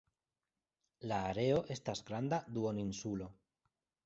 La areo estas granda duoninsulo.